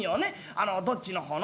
あのどっちの方の？